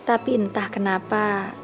tapi entah kenapa